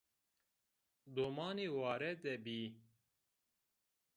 Domanî ware de bîyî